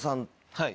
はい。